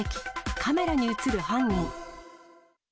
カメラに写る犯人。